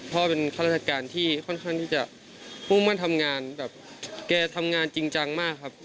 ก็เป็นข้าราชการที่ค่อนข้างที่จะมุ่งมั่นทำงานแบบแกทำงานจริงจังมากครับ